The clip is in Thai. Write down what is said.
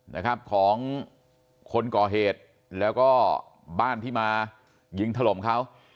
นะครับของคนก่อเหตุแล้วก็บ้านที่มายิงถล่มเขา